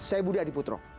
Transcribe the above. saya budi adiputro